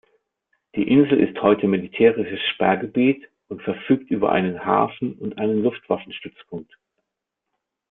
Die Insel ist heute militärisches Sperrgebiet und verfügt über einen Hafen und einen Luftwaffenstützpunkt.